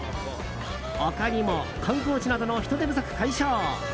他にも、観光地などの人手不足解消。